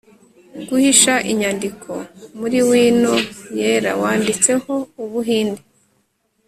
guhisha inyandiko, muri wino yera, wanditseho ubuhinde